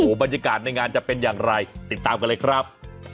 บรรยากาศในงานจะเป็นอย่างไรติดตามกันเลยครับ